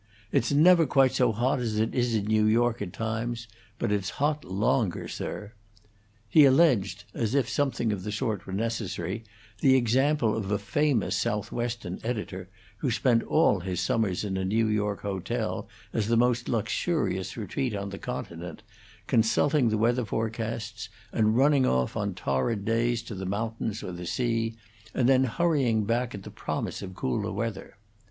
It's never quite so hot as it is in New York at times, but it's hot longer, sir." He alleged, as if something of the sort were necessary, the example of a famous Southwestern editor who spent all his summers in a New York hotel as the most luxurious retreat on the continent, consulting the weather forecasts, and running off on torrid days to the mountains or the sea, and then hurrying back at the promise of cooler weather.